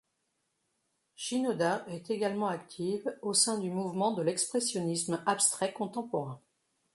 Shinoda est également active au sein du mouvement de l’expressionnisme abstrait contemporain.